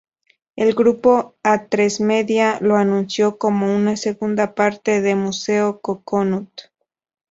El Grupo Atresmedia lo anunció como una segunda parte de "Museo Coconut".